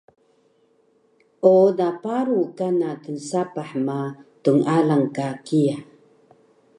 ooda paru kana tnsapah ma tnalang ka kiya